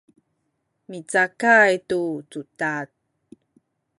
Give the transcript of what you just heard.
micakay tu cudad